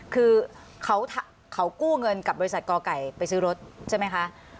คือเขากู้เงินกับบริษัทกไก่ไปซื้อรถใช่ไหมคะ